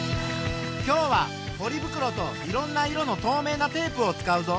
今日はポリ袋といろんな色の透明なテープを使うぞ。